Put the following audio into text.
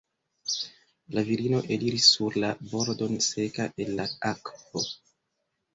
La virino eliris sur la bordon seka el la akvo.